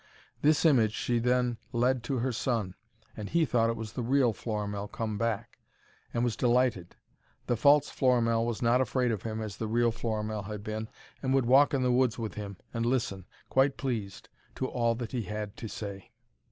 This image she then led to her son, and he thought it was the real Florimell come back, and was delighted. The false Florimell was not afraid of him as the real Florimell had been, and would walk in the woods with him, and listen, quite pleased, to all that he had to say.